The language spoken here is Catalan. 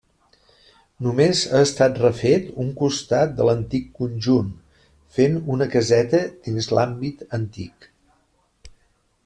Només ha estat refet un costat de l'antic conjunt, fent una caseta dins l'àmbit antic.